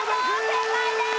正解です。